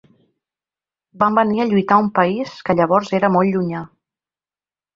Van venir a lluitar a un país, que llavors era molt llunyà.